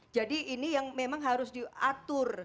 jadi ini yang memang harus diatur